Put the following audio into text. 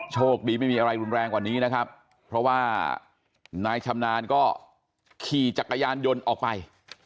โชคดีไม่มีอะไรรุนแรงกว่านี้นะครับเพราะว่านายชำนาญก็ขี่จักรยานยนต์ออกไป